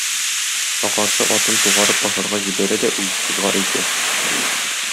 Агасы атын тугарып ашарга җибәрә дә үги кызга әйтә